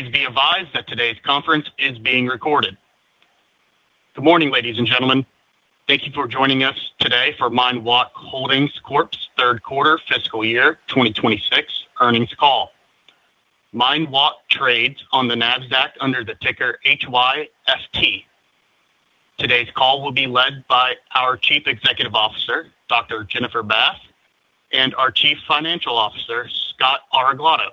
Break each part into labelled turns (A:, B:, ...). A: Please be advised that today's conference is being recorded. Good morning, ladies and gentlemen. Thank you for joining us today MindWalk Holdings Corp.'s Third Quarter Fiscal Year 2026 Earnings MindWalk trades on the Nasdaq under the ticker HYFT. Today's call will be led by our Chief Executive Officer, Dr. Jennifer Bath, and our Chief Financial Officer, Scott Areglado.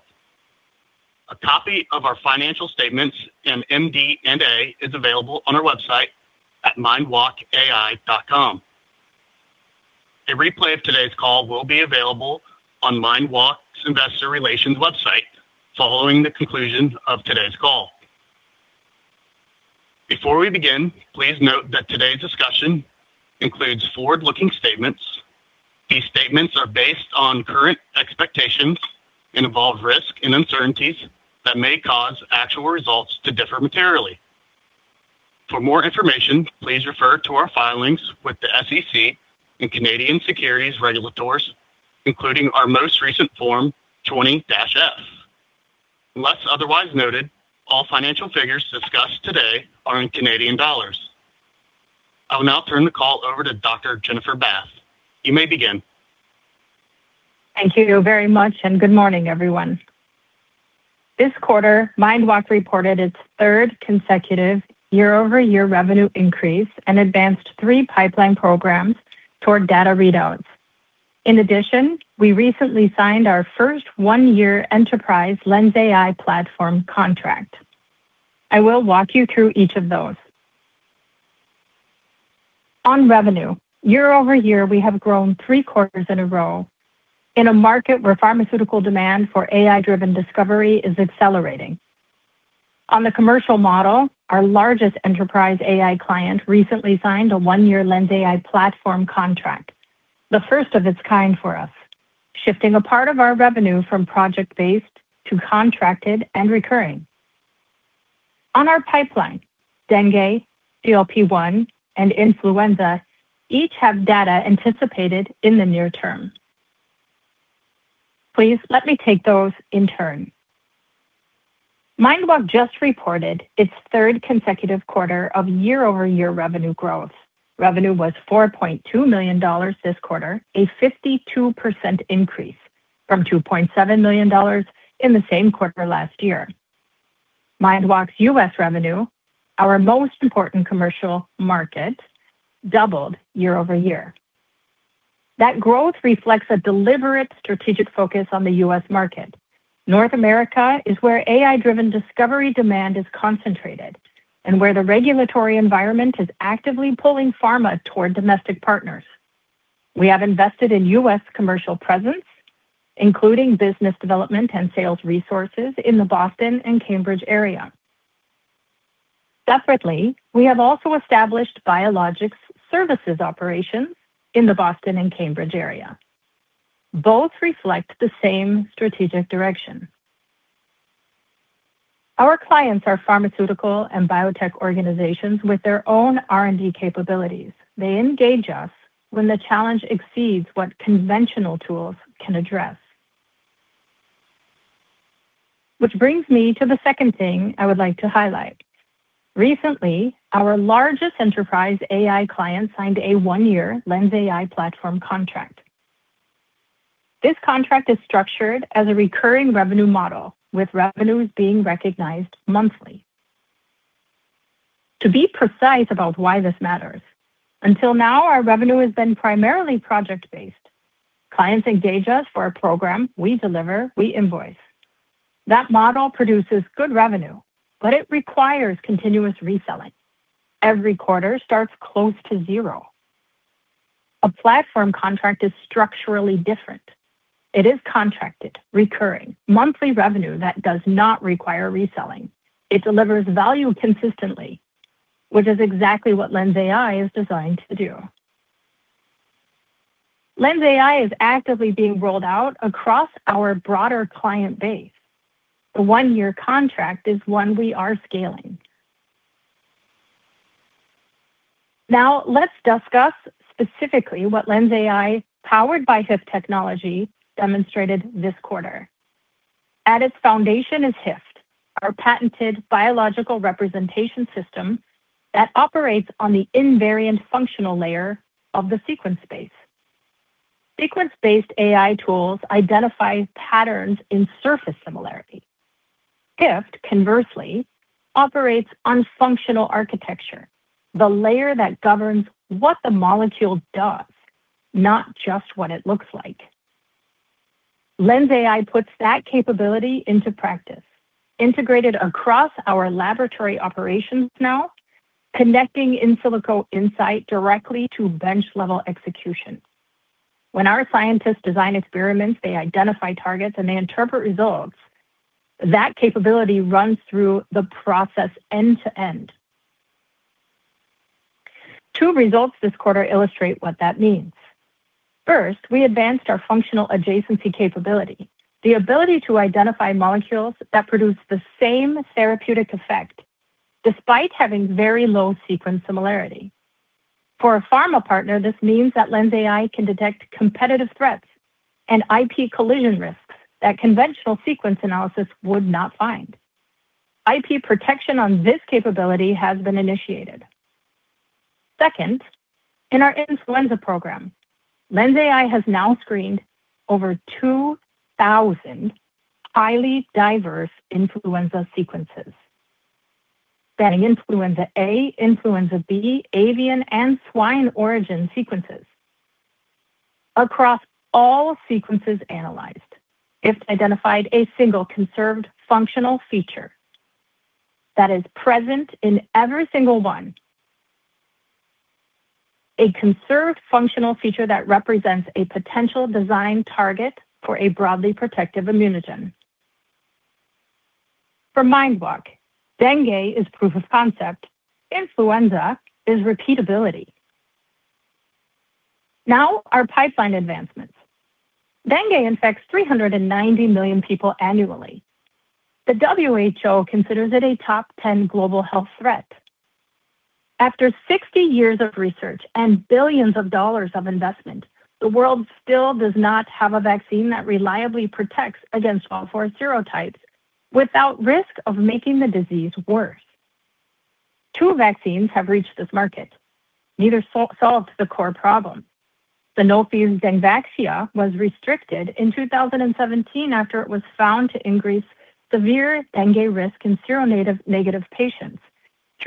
A: A copy of our financial statements and MD&A is available on our website at mindwalkai.com. A replay of today's call will be available MindWalk's investor relations website following the conclusion of today's call. Before we begin, please note that today's discussion includes forward-looking statements. These statements are based on current expectations and involve risk and uncertainties that may cause actual results to differ materially. For more information, please refer to our filings with the SEC and Canadian securities regulators, including our most recent Form 20-F. Unless otherwise noted, all financial figures discussed today are in Canadian dollars. I will now turn the call over to Dr. Jennifer Bath. You may begin.
B: Thank you very much and good morning, everyone. This MindWalk reported its third consecutive YoY revenue increase and advanced three pipeline programs toward data readouts. In addition, we recently signed our first one-year enterprise LensAI platform contract. I will walk you through each of those. On revenue, YoY, we have grown three quarters in a row in a market where pharmaceutical demand for AI-driven discovery is accelerating. On the commercial model, our largest enterprise AI client recently signed a one-year LensAI platform contract, the first of its kind for us, shifting a part of our revenue from project-based to contracted and recurring. On our pipeline, Dengue, GLP-1, and Influenza each have data anticipated in the near term. Please let me take those in MindWalk just reported its third consecutive quarter of YoY revenue growth. Revenue was 4.2 million dollars this quarter, a 52% increase from 2.7 million dollars in the same quarter last MindWalk's U.S. revenue, our most important commercial market, doubled YoY. That growth reflects a deliberate strategic focus on the U.S. market. North America is where AI-driven discovery demand is concentrated and where the regulatory environment is actively pulling pharma toward domestic partners. We have invested in U.S. commercial presence, including business development and sales resources in the Boston and Cambridge area. Separately, we have also established biologics services operations in the Boston and Cambridge area. Both reflect the same strategic direction. Our clients are pharmaceutical and biotech organizations with their own R&D capabilities. They engage us when the challenge exceeds what conventional tools can address. Which brings me to the second thing I would like to highlight. Recently, our largest enterprise AI client signed a one-year LensAI platform contract. This contract is structured as a recurring revenue model, with revenues being recognized monthly. To be precise about why this matters, until now, our revenue has been primarily project-based. Clients engage us for a program, we deliver, we invoice. That model produces good revenue, but it requires continuous reselling. Every quarter starts close to zero. A platform contract is structurally different. It is contracted, recurring, monthly revenue that does not require reselling. It delivers value consistently, which is exactly what LensAI is designed to do. LensAI is actively being rolled out across our broader client base. The one-year contract is one we are scaling. Now, let's discuss specifically what LensAI, powered by HYFT technology, demonstrated this quarter. At its foundation is HYFT, our patented biological representation system that operates on the invariant functional layer of the sequence space. Sequence-based AI tools identify patterns in surface similarity. HYFT, conversely, operates on functional architecture, the layer that governs what the molecule does, not just what it looks like. LensAI puts that capability into practice, integrated across our laboratory operations now, connecting in silico insight directly to bench-level execution. When our scientists design experiments, they identify targets, and they interpret results, that capability runs through the process end to end. Two results this quarter illustrate what that means. First, we advanced our functional adjacency capability, the ability to identify molecules that produce the same therapeutic effect despite having very low sequence similarity. For a pharma partner, this means that LensAI can detect competitive threats and IP collision risks that conventional sequence analysis would not find. IP protection on this capability has been initiated. Second, in our influenza program, LensAI has now screened over 2,000 highly diverse influenza sequences, spanning influenza A, influenza B, avian, and swine origin sequences. Across all sequences analyzed, it identified a single conserved functional feature that is present in every single one. A conserved functional feature that represents a potential design target for a broadly protective immunogen. MindWalk, dengue is proof of concept. Influenza is repeatability. Now our pipeline advancements. Dengue infects 390 million people annually. The WHO considers it a top 10 global health threat. After 60 years of research and billions of dollars of investment, the world still does not have a vaccine that reliably protects against all four serotypes without risk of making the disease worse. Two vaccines have reached this market. Neither solved the core problem. Sanofi's Dengvaxia was restricted in 2017 after it was found to increase severe dengue risk in seronegative patients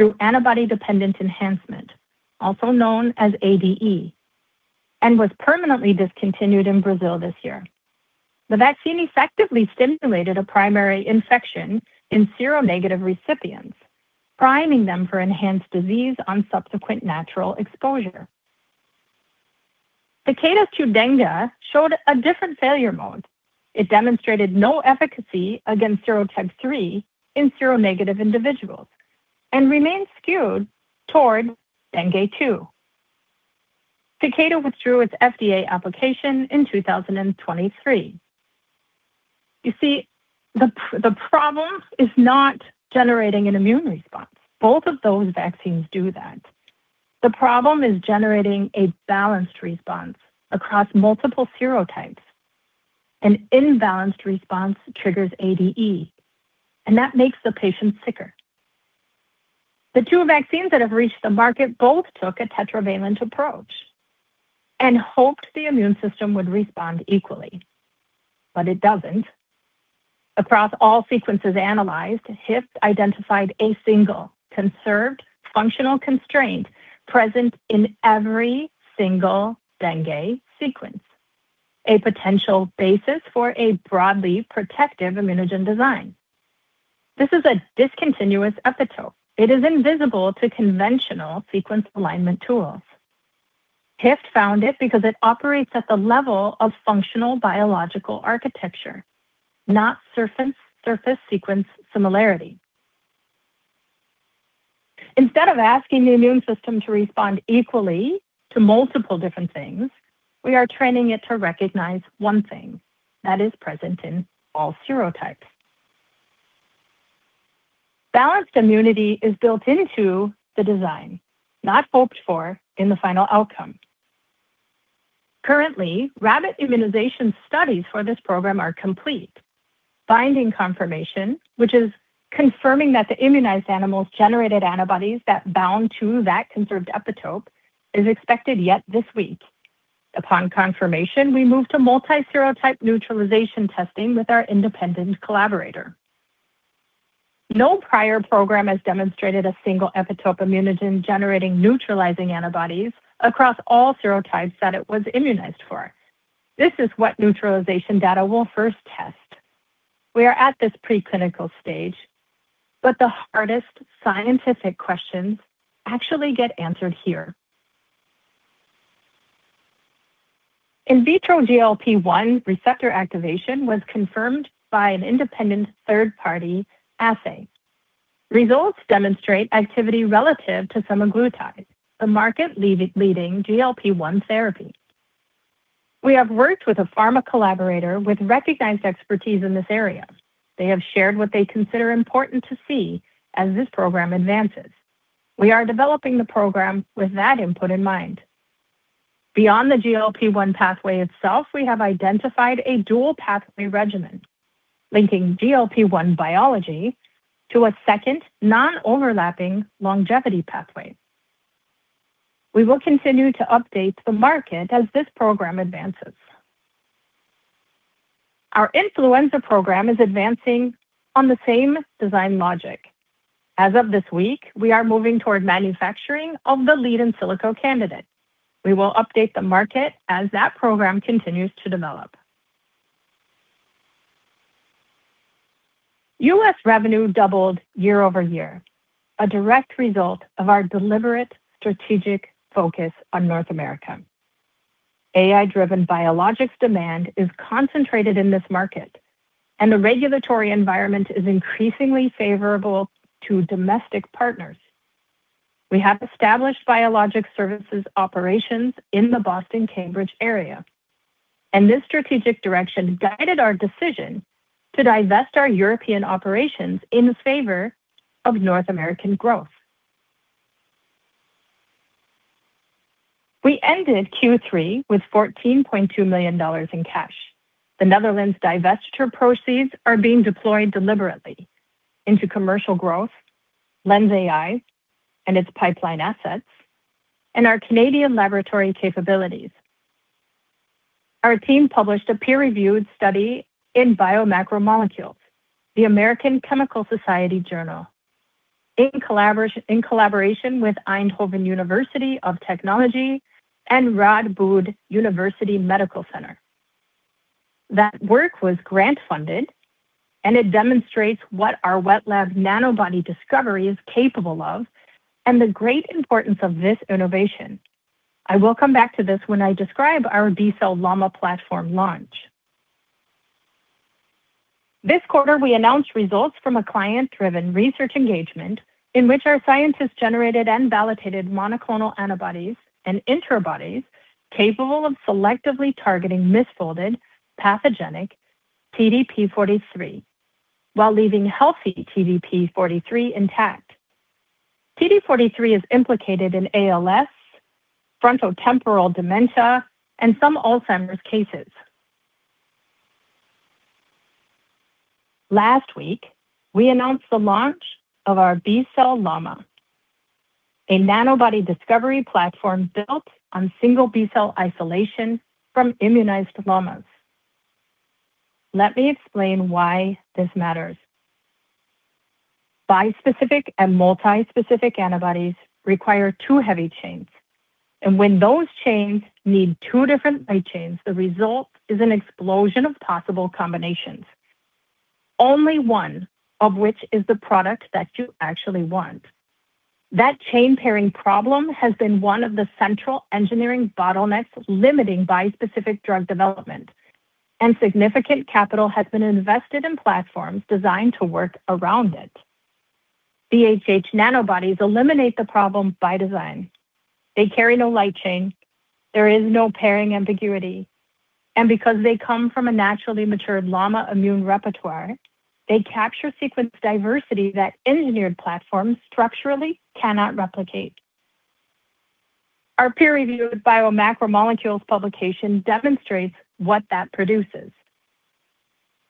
B: through antibody-dependent enhancement, also known as ADE, and was permanently discontinued in Brazil this year. The vaccine effectively stimulated a primary infection in seronegative recipients, priming them for enhanced disease on subsequent natural exposure. Takeda's Qdenga showed a different failure mode. It demonstrated no efficacy against serotype three in seronegative individuals and remains skewed toward dengue two. Takeda withdrew its FDA application in 2023. You see, the problem is not generating an immune response. Both of those vaccines do that. The problem is generating a balanced response across multiple serotypes. An imbalanced response triggers ADE, and that makes the patient sicker. The two vaccines that have reached the market both took a tetravalent approach and hoped the immune system would respond equally, but it doesn't. Across all sequences analyzed, HYFT identified a single conserved functional constraint present in every single dengue sequence, a potential basis for a broadly protective immunogen design. This is a discontinuous epitope. It is invisible to conventional sequence alignment tools. HYFT found it because it operates at the level of functional biological architecture, not surface sequence similarity. Instead of asking the immune system to respond equally to multiple different things, we are training it to recognize one thing that is present in all serotypes. Balanced immunity is built into the design, not hoped for in the final outcome. Currently, rabbit immunization studies for this program are complete. Binding confirmation, which is confirming that the immunized animals generated antibodies that bound to that conserved epitope, is expected yet this week. Upon confirmation, we move to multi-serotype neutralization testing with our independent collaborator. No prior program has demonstrated a single epitope immunogen generating neutralizing antibodies across all serotypes that it was immunized for. This is what neutralization data will first test. We are at this preclinical stage, but the hardest scientific questions actually get answered here. In vitro GLP-1 receptor activation was confirmed by an independent third-party assay. Results demonstrate activity relative to semaglutide, a market leading GLP-1 therapy. We have worked with a pharma collaborator with recognized expertise in this area. They have shared what they consider important to see as this program advances. We are developing the program with that input in mind. Beyond the GLP-1 pathway itself, we have identified a dual pathway regimen linking GLP-1 biology to a second non-overlapping longevity pathway. We will continue to update the market as this program advances. Our influenza program is advancing on the same design logic. As of this week, we are moving toward manufacturing of the lead in silico candidate. We will update the market as that program continues to develop. U.S. revenue doubled YoY, a direct result of our deliberate strategic focus on North America. AI-driven biologics demand is concentrated in this market, and the regulatory environment is increasingly favorable to domestic partners. We have established biologics services operations in the Boston-Cambridge area. This strategic direction guided our decision to divest our European operations in favor of North American growth. We ended Q3 with 14.2 million dollars in cash. The Netherlands divestiture proceeds are being deployed deliberately into commercial growth, Lens AI and its pipeline assets, and our Canadian laboratory capabilities. Our team published a peer-reviewed study in BioMacromolecules, the American Chemical Society journal, in collaboration with Eindhoven University of Technology and Radboud University Medical Center. That work was grant funded, and it demonstrates what our wet lab nanobody discovery is capable of and the great importance of this innovation. I will come back to this when I describe our B Cell Llama platform launch. This quarter, we announced results from a client-driven research engagement in which our scientists generated and validated monoclonal antibodies and intrabodies capable of selectively targeting misfolded pathogenic TDP-43 while leaving healthy TDP-43 intact. TDP-43 is implicated in ALS, frontotemporal dementia and some Alzheimer's cases. Last week, we announced the launch of our B Cell Llama, a nanobody discovery platform built on single B cell isolation from immunized llamas. Let me explain why this matters. Bispecific and multispecific antibodies require two heavy chains, and when those chains need two different light chains, the result is an explosion of possible combinations, only one of which is the product that you actually want. That chain pairing problem has been one of the central engineering bottlenecks limiting bispecific drug development, and significant capital has been invested in platforms designed to work around it. VHH nanobodies eliminate the problem by design. They carry no light chain, there is no pairing ambiguity, and because they come from a naturally matured llama immune repertoire, they capture sequence diversity that engineered platforms structurally cannot replicate. Our peer-reviewed BioMacromolecules publication demonstrates what that produces.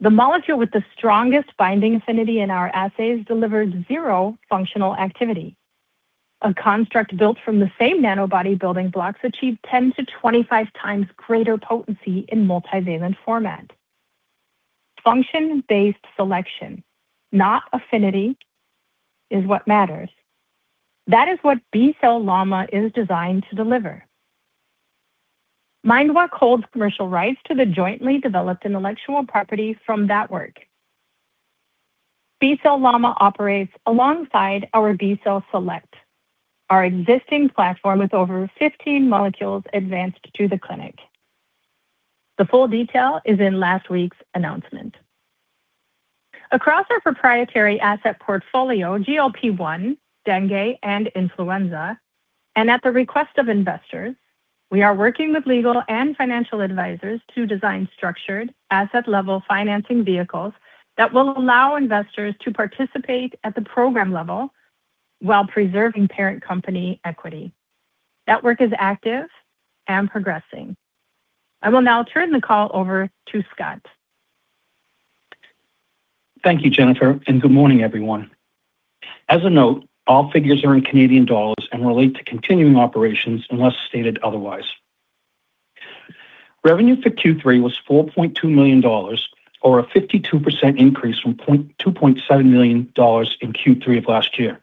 B: The molecule with the strongest binding affinity in our assays delivered zero functional activity. A construct built from the same nanobody building blocks achieved 10-25 times greater potency in multivalent format. Function-based selection, not affinity, is what matters. That is what B Cell Llama is designed to MindWalk holds commercial rights to the jointly developed intellectual property from that work. B Cell Llama operates alongside our B Cell Select, our existing platform with over 15 molecules advanced to the clinic. The full detail is in last week's announcement. Across our proprietary asset portfolio, GLP-1, dengue, and influenza, and at the request of investors, we are working with legal and financial advisors to design structured asset-level financing vehicles that will allow investors to participate at the program level while preserving parent company equity. That work is active and progressing. I will now turn the call over to Scott.
C: Thank you, Jennifer, and good morning, everyone. As a note, all figures are in Canadian dollars and relate to continuing operations unless stated otherwise. Revenue for Q3 was 4.2 million dollars or a 52% increase from 2.7 million dollars in Q3 of last year.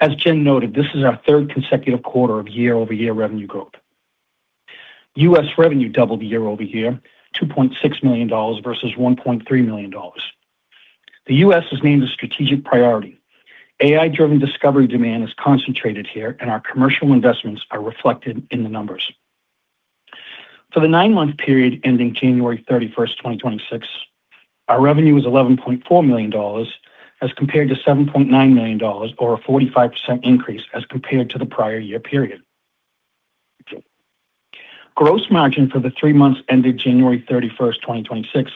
C: As Jen noted, this is our third consecutive quarter of YoY revenue growth. U.S. revenue doubled YoY, 2.6 million dollars versus 1.3 million dollars. The U.S. is named a strategic priority. AI-driven discovery demand is concentrated here, and our commercial investments are reflected in the numbers. For the nine-month period ending January 31, 2026, our revenue was 11.4 million dollars as compared to 7.9 million dollars or a 45% increase as compared to the prior year period. Gross margin for the three months ended January 31, 2026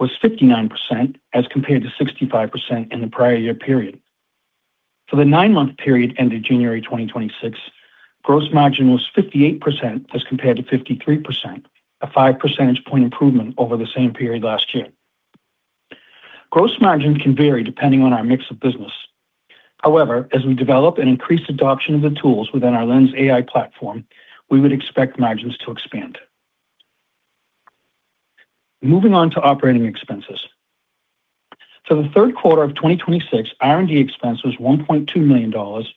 C: was 59% as compared to 65% in the prior year period. For the nine-month period ended January 2026, gross margin was 58% as compared to 53%, a 5% point improvement over the same period last year. Gross margin can vary depending on our mix of business. However, as we develop and increase adoption of the tools within our LensAI platform, we would expect margins to expand. Moving on to OpExs. For the third quarter of 2026, R&D expense was 1.2 million dollars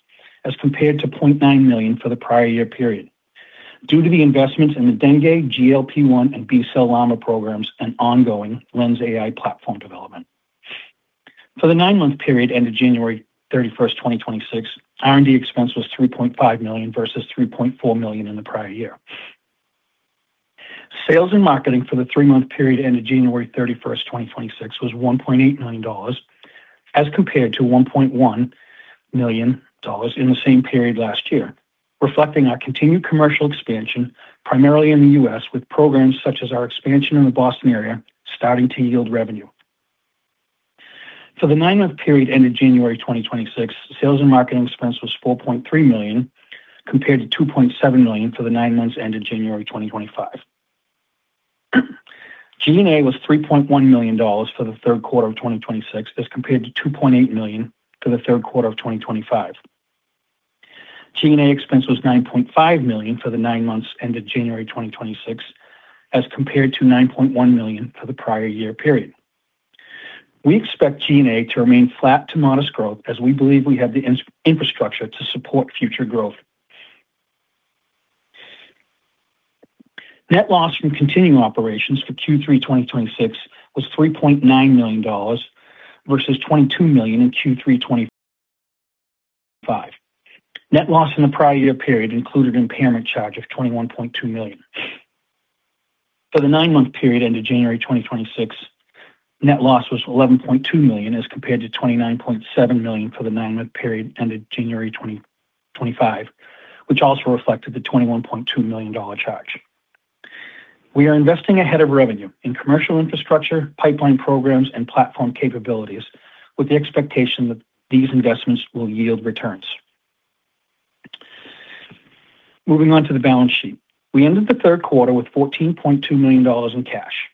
C: as compared to 0.9 million for the prior year period due to the investments in the dengue, GLP-1, and B Cell Llama programs and ongoing LensAI platform development. For the nine-month period ended January 31, 2026, R&D expense was 3.5 million versus 3.4 million in the prior year. Sales and marketing for the three-month period ended January 31, 2026 was 1.8 million dollars as compared to 1.1 million dollars in the same period last year, reflecting our continued commercial expansion primarily in the U.S., with programs such as our expansion in the Boston area starting to yield revenue. For the nine-month period ended January 2026, sales and marketing expense was 4.3 million, compared to 2.7 million for the nine months ended January 2025. G&A was 3.1 million dollars for the third quarter of 2026, as compared to 2.8 million for the third quarter of 2025. G&A expense was 9.5 million for the nine months ended January 2026, as compared to 9.1 million for the prior year period. We expect G&A to remain flat to modest growth as we believe we have the infrastructure to support future growth. Net loss from continuing operations for Q3 2026 was 3.9 million dollars versus 22 million in Q3 2025. Net loss in the prior year period included impairment charge of 21.2 million. For the nine-month period ended January 2026, net loss was 11.2 million, as compared to 29.7 million for the nine-month period ended January 2025, which also reflected the 21.2 million dollar charge. We are investing ahead of revenue in commercial infrastructure, pipeline programs and platform capabilities with the expectation that these investments will yield returns. Moving on to the balance sheet. We ended the third quarter with 14.2 million dollars in cash.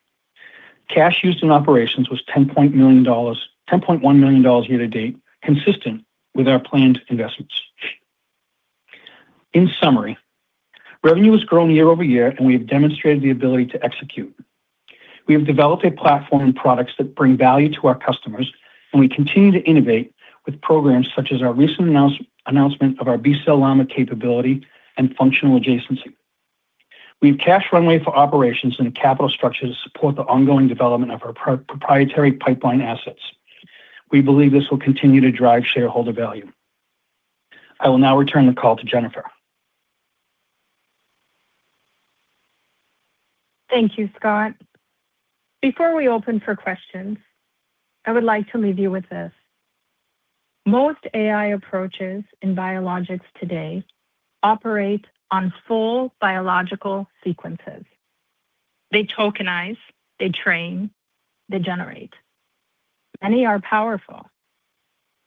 C: Cash used in operations was 10.1 million dollars year to date, consistent with our planned investments. In summary, revenue has grown YoY and we have demonstrated the ability to execute. We have developed a platform and products that bring value to our customers, and we continue to innovate with programs such as our recent announcement of our B Cell Llama capability and functional adjacency. We have cash runway for operations and a capital structure to support the ongoing development of our proprietary pipeline assets. We believe this will continue to drive shareholder value. I will now return the call to Jennifer.
B: Thank you, Scott. Before we open for questions, I would like to leave you with this. Most AI approaches in biologics today operate on full biological sequences. They tokenize, they train, they generate. Many are powerful,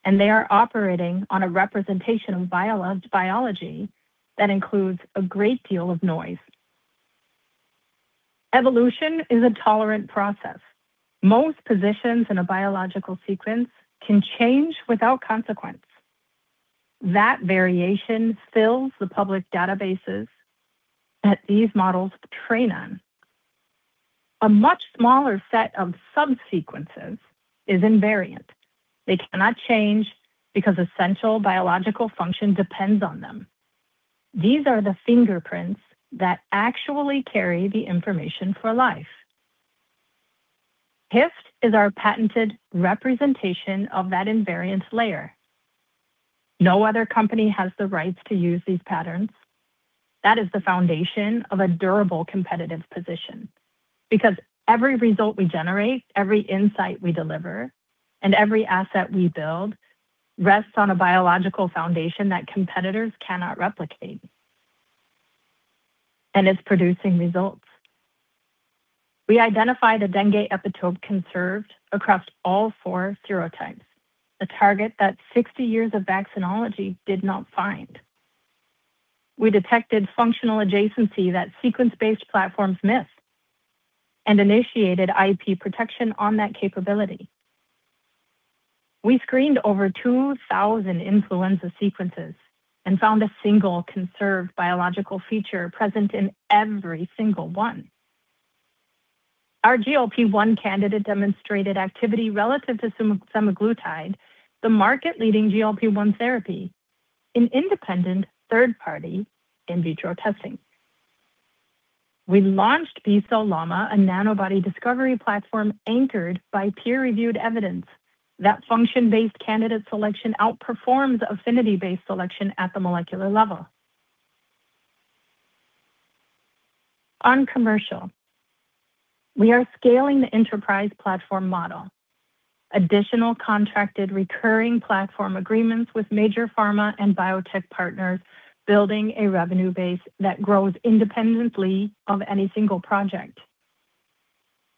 B: and they are operating on a representation of biologics biology that includes a great deal of noise. Evolution is a tolerant process. Most positions in a biological sequence can change without consequence. That variation fills the public databases that these models train on. A much smaller set of subsequences is invariant. They cannot change because essential biological function depends on them. These are the fingerprints that actually carry the information for life. HYFT is our patented representation of that invariant layer. No other company has the rights to use these patterns. That is the foundation of a durable competitive position, because every result we generate, every insight we deliver, and every asset we build rests on a biological foundation that competitors cannot replicate and is producing results. We identified a dengue epitope conserved across all four serotypes, a target that 60 years of vaccinology did not find. We detected functional adjacency that sequence-based platforms missed and initiated IP protection on that capability. We screened over 2,000 influenza sequences and found a single conserved biological feature present in every single one. Our GLP-1 candidate demonstrated activity relative to semaglutide, the market leading GLP-1 therapy in independent third party in vitro testing. We launched B Cell Llama, a nanobody discovery platform anchored by peer-reviewed evidence that function-based candidate selection outperforms affinity-based selection at the molecular level. On commercial, we are scaling the enterprise platform model. Additional contracted recurring platform agreements with major pharma and biotech partners, building a revenue base that grows independently of any single project.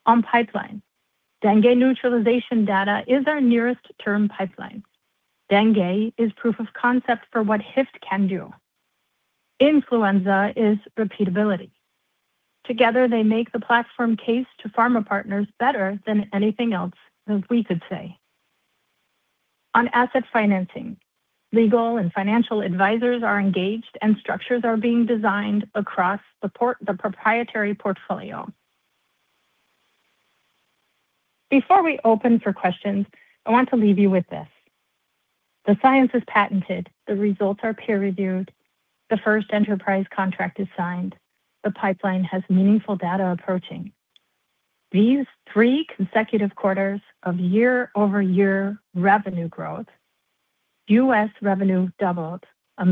B: On pipeline, dengue neutralization data is our nearest term pipeline. Dengue is proof of concept for what HYFT can do. Influenza is repeatability. Together, they make the platform case to pharma partners better than anything else that we could say. On asset financing, legal and financial advisors are engaged and structures are being designed across the proprietary portfolio. Before we open for questions, I want to leave you with this. The science is patented. The results are peer-reviewed. The first enterprise contract is signed. The pipeline has meaningful data approaching. These three consecutive quarters of YoY revenue growth, U.S. revenue doubled, a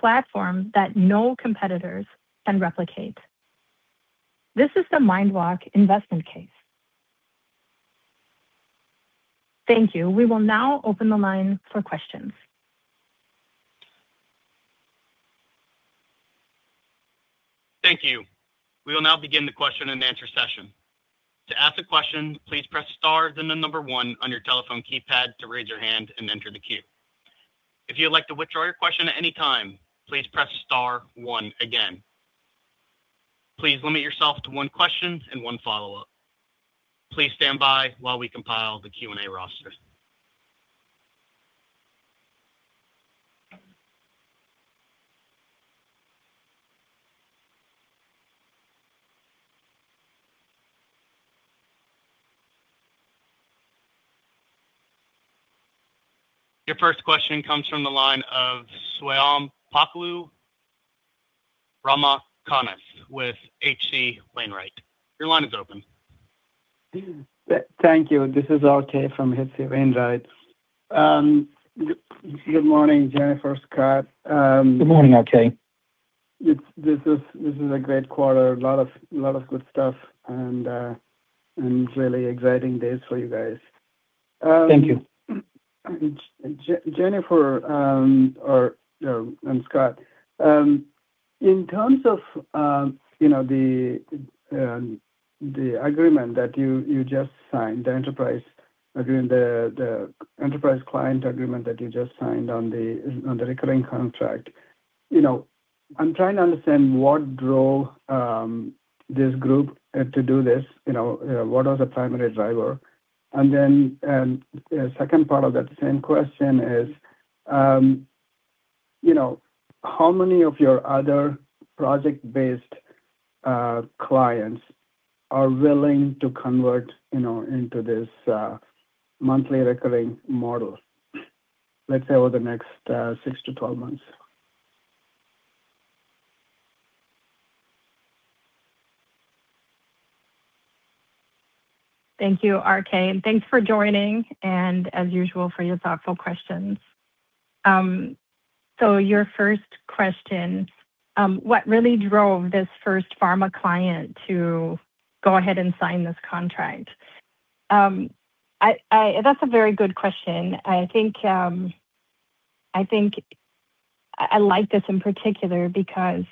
B: platform that no competitors can replicate. This is MindWalk investment case. Thank you. We will now open the line for questions.
A: Thank you. We will now begin the question and answer session. To ask a question, please press star then the number one on your telephone keypad to raise your hand and enter the queue. If you'd like to withdraw your question at any time, please press star one again. Please limit yourself to one question and one follow-up. Please stand by while we compile the Q&A roster. Your first question comes from the line of Swayampakula Ramakanth with H.C. Wainwright. Your line is open.
D: Thank you. This is RK from H.C. Wainwright & Co. Good morning, Jennifer, Scott.
C: Good morning, RK
D: This is a great quarter. A lot of good stuff and really exciting days for you guys.
C: Thank you.
D: Jennifer, you know, and Scott, in terms of, you know, the enterprise client agreement that you just signed on the recurring contract, you know, I'm trying to understand what drove this group to do this, you know. What are the primary driver? And then, the second part of that same question is, you know, how many of your other project-based clients are willing to convert, you know, into this monthly recurring model, let's say, over the next 6-12 months?
B: Thank you, RK, and thanks for joining, and as usual, for your thoughtful questions. So your first question, what really drove this first pharma client to go ahead and sign this contract? That's a very good question. I think I like this in particular because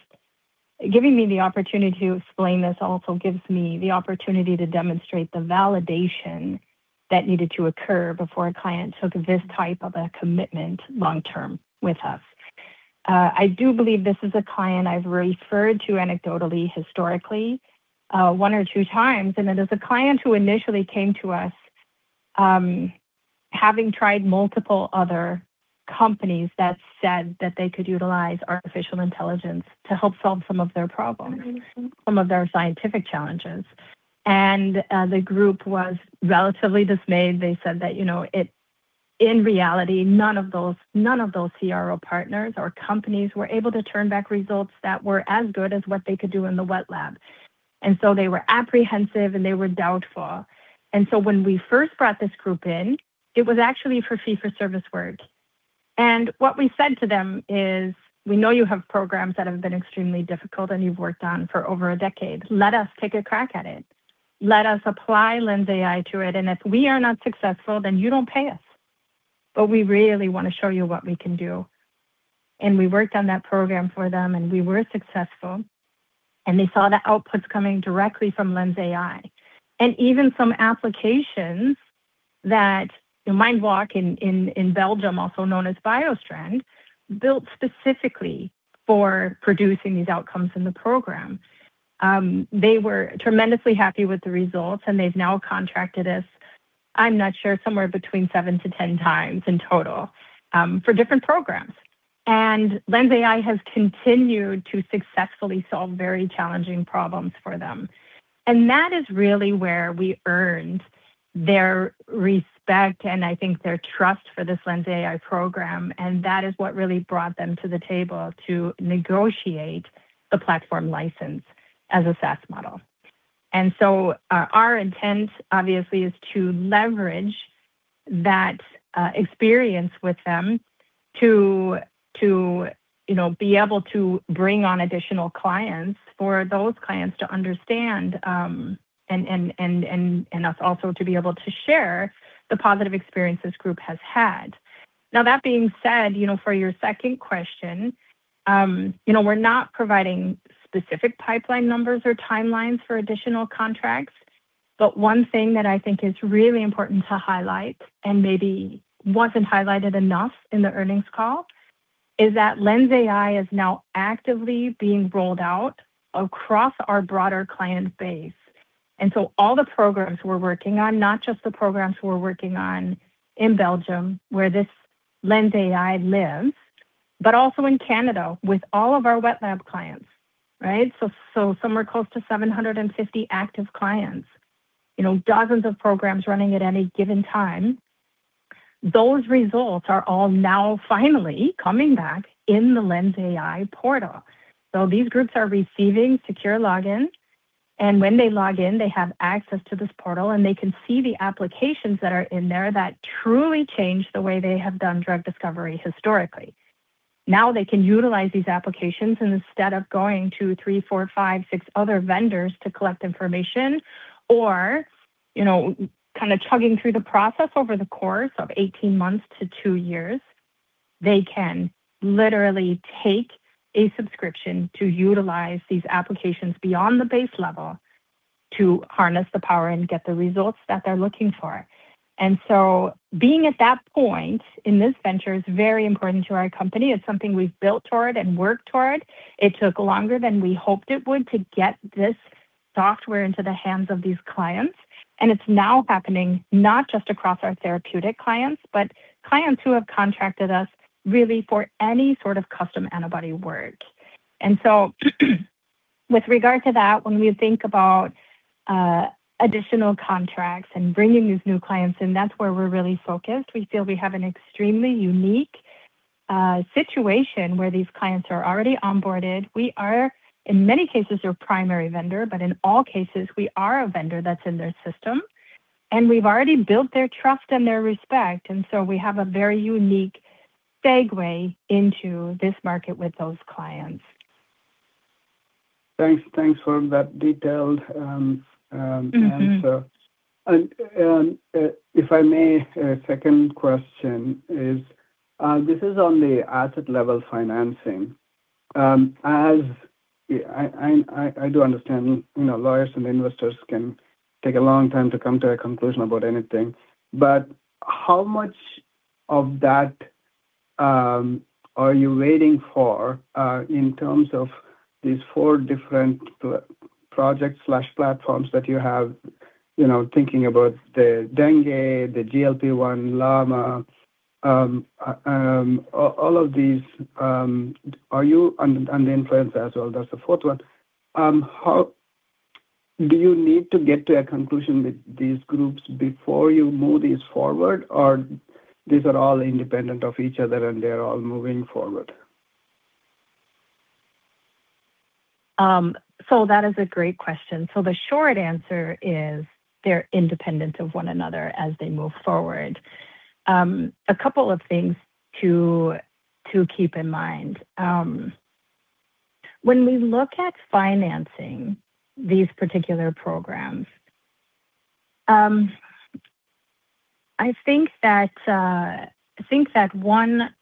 B: giving me the opportunity to explain this also gives me the opportunity to demonstrate the validation that needed to occur before a client took this type of a commitment long-term with us. I do believe this is a client I've referred to anecdotally, historically, one or two times, and it is a client who initially came to us, having tried multiple other companies that said that they could utilize artificial intelligence to help solve some of their problems, some of their scientific challenges. The group was relatively dismayed. They said that, you know, in reality, none of those CRO partners or companies were able to turn back results that were as good as what they could do in the wet lab. They were apprehensive, and they were doubtful. When we first brought this group in, it was actually for fee-for-service work. What we said to them is, "We know you have programs that have been extremely difficult and you've worked on for over a decade. Let us take a crack at it. Let us apply LensAI to it, and if we are not successful, then you don't pay us. But we really want to show you what we can do." We worked on that program for them, and we were successful. They saw the outputs coming directly from LensAI. Even some applications that, you MindWalk in Belgium, also known as BioStrand, built specifically for producing these outcomes in the program. They were tremendously happy with the results, and they've now contracted us, I'm not sure, somewhere between 7-10 times in total, for different programs. LensAI has continued to successfully solve very challenging problems for them. That is really where we earned their respect and I think their trust for this LensAI program, and that is what really brought them to the table to negotiate the platform license as a SaaS model. Our intent obviously is to leverage that experience with them to you know be able to bring on additional clients for those clients to understand and us also to be able to share the positive experience this group has had. Now that being said, you know, for your second question you know we're not providing specific pipeline numbers or timelines for additional contracts, but one thing that I think is really important to highlight and maybe wasn't highlighted enough in the earnings call is that LensAI is now actively being rolled out across our broader client base. All the programs we're working on, not just the programs we're working on in Belgium, where this LensAI lives, but also in Canada with all of our wet lab clients, right? Somewhere close to 750 active clients. You know, dozens of programs running at any given time. Those results are all now finally coming back in the LensAI portal. These groups are receiving secure login, and when they log in, they have access to this portal, and they can see the applications that are in there that truly change the way they have done drug discovery historically. Now they can utilize these applications and instead of going to three, four, five, six other vendors to collect information or, you know, kind of chugging through the process over the course of 18 months - 2 years, they can literally take a subscription to utilize these applications beyond the base level to harness the power and get the results that they're looking for. Being at that point in this venture is very important to our company. It's something we've built toward and worked toward. It took longer than we hoped it would to get this software into the hands of these clients. It's now happening not just across our therapeutic clients, but clients who have contracted us really for any sort of custom antibody work. With regard to that, when we think about additional contracts and bringing these new clients in, that's where we're really focused. We feel we have an extremely unique situation where these clients are already onboarded. We are, in many cases, their primary vendor, but in all cases we are a vendor that's in their system, and we've already built their trust and their respect, and so we have a very unique segue into this market with those clients.
D: Thanks for that detailed answer. If I may, a second question is, this is on the asset level financing. As I do understand, you know, lawyers and investors can take a long time to come to a conclusion about anything, but how much of that are you waiting for in terms of these four different projects/platforms that you have, you know, thinking about the dengue, the GLP-1, Llama, all of these, the influenza as well, that's the fourth one. Do you need to get to a conclusion with these groups before you move these forward or these are all independent of each other and they're all moving forward?
B: That is a great question. The short answer is they're independent of one another as they move forward. A couple of things to keep in mind. When we look at financing these particular programs, I think that one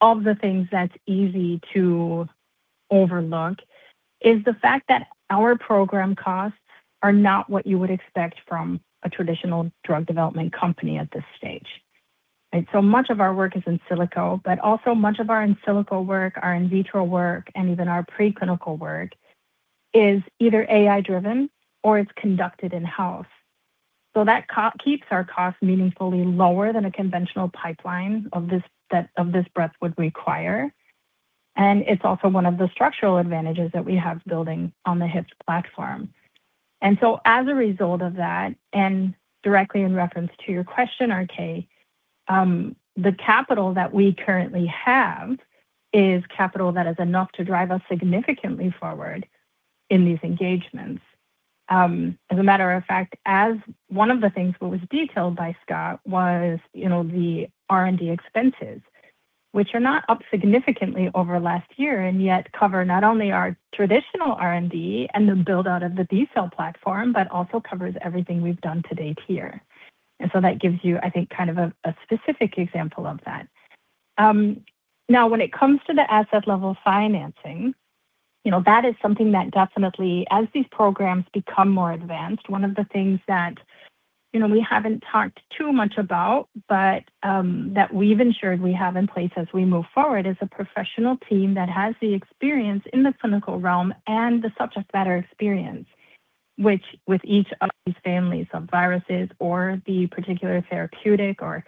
B: of the things that's easy to overlook is the fact that our program costs are not what you would expect from a traditional drug development company at this stage. So much of our work is in silico, but also much of our in silico work, our in vitro work, and even our preclinical work is either AI-driven or it's conducted in-house. That keeps our costs meaningfully lower than a conventional pipeline of this breadth would require. It's also one of the structural advantages that we have building on the HYFT platform. As a result of that, and directly in reference to your question, RK, the capital that we currently have is capital that is enough to drive us significantly forward in these engagements. As a matter of fact, as one of the things that was detailed by Scott was, you know, the R&D expenses, which are not up significantly over last year and yet cover not only our traditional R&D and the build-out of the B cell platform, but also covers everything we've done to date here. That gives you, I think, kind of a specific example of that. Now when it comes to the asset level financing, you know, that is something that definitely, as these programs become more advanced, one of the things that, you know, we haven't talked too much about, but that we've ensured we have in place as we move forward is a professional team that has the experience in the clinical realm and the subject matter experience, which with each of these families of viruses or the particular therapeutic or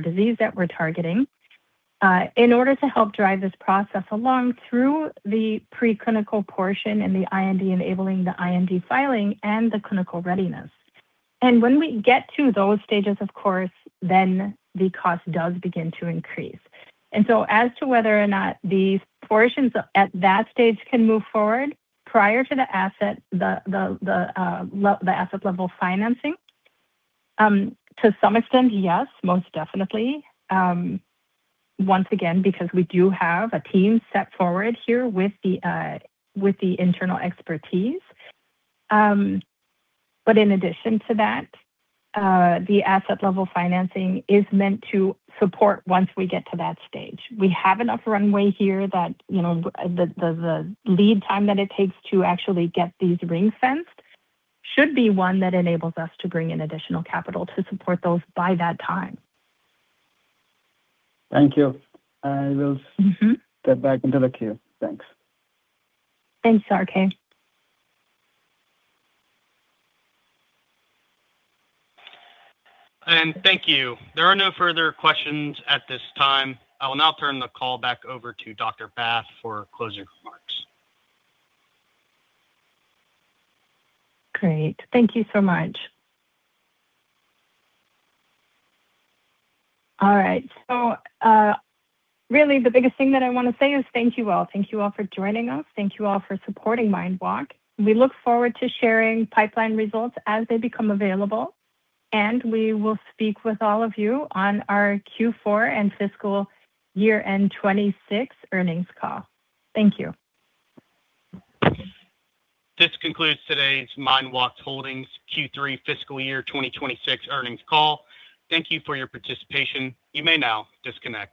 B: disease that we're targeting, in order to help drive this process along through the preclinical portion and the IND enabling, the IND filing, and the clinical readiness. When we get to those stages, of course, then the cost does begin to increase. As to whether or not these portions at that stage can move forward prior to the asset level financing, to some extent, yes, most definitely. Once again, because we do have a team set forward here with the internal expertise. In addition to that, the asset level financing is meant to support once we get to that stage. We have enough runway here that, you know, the lead time that it takes to actually get these ring-fenced should be one that enables us to bring in additional capital to support those by that time.
D: Thank you. Step back into the queue. Thanks.
B: Thanks, RK.
A: Thank you. There are no further questions at this time. I will now turn the call back over to Dr. Bath for closing remarks.
B: Great. Thank you so much. All right. Really the biggest thing that I want to say is thank you all. Thank you all for joining us. Thank you all for MindWalk. We look forward to sharing pipeline results as they become available, and we will speak with all of you on our Q4 and fiscal year-end 2026 earnings call. Thank you.
A: This concludes MindWalk Holdings Q3 fiscal year 2026 earnings call. Thank you for your participation. You may now disconnect.